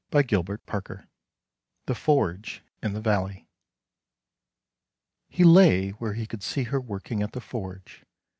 H THE FORGE IN THE VALLEY E lay where he could see her working at the forge.